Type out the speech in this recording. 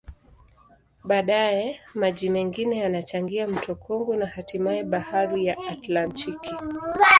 Baadaye, maji mengine yanachangia mto Kongo na hatimaye Bahari ya Atlantiki.